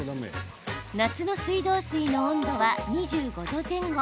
夏の水道水の温度は２５度前後。